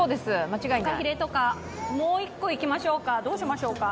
フカヒレとか、もう１個いきましょうか、どうしましょうか。